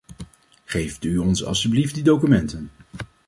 Geeft u ons alstublieft die documenten!